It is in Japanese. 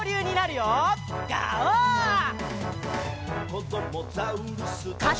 「こどもザウルス